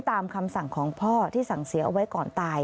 ตามคำสั่งของพ่อที่สั่งเสียเอาไว้ก่อนตาย